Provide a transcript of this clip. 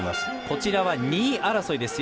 こちらは２位争いです。